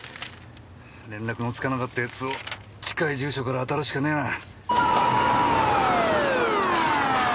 連絡のつかなかった奴を近い住所から当たるしかねぇな。